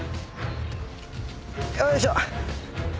よいしょっ！